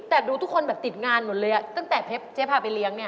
แต่ดูทุกคนแบบติดงานหมดเลยอ่ะตั้งแต่เจ๊พาไปเลี้ยงเนี่ย